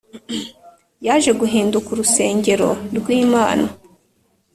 yaje guhinduka urusengero rw’imana